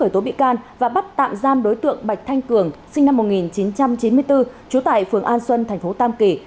khởi tố bị can và bắt tạm giam đối tượng bạch thanh cường sinh năm một nghìn chín trăm chín mươi bốn trú tại phường an xuân thành phố tam kỳ